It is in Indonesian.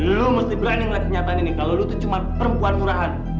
lu mesti berani ngelakuin nyataan ini kalau lu cuma perempuan murahan